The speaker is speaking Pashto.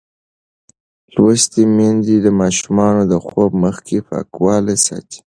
لوستې میندې د ماشومانو د خوب مخکې پاکوالی ساتي.